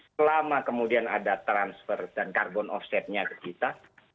selama kemudian ada transfer dan karbon offsetnya ke kita